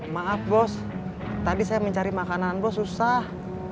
maaf bos tadi saya mencari makanan bos susah